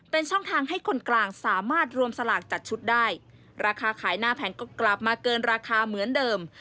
เป็นช่องทางให้คนกลางสามารถรวมสลากจัดชุดได้ราคาขายหน้าแผงก็กลับมาเกินราคาเหมือนเดิม